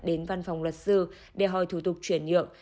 đến văn phòng luật sư để hỏi thủ tục chuyển nhượng